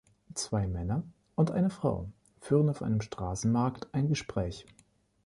Zwei Männer und eine Frau führen auf einem Straßenmarkt ein Gespräch.